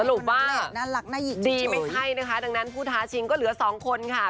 ว่าน่ารักน่ายินดีไม่ใช่นะคะดังนั้นผู้ท้าชิงก็เหลือสองคนค่ะ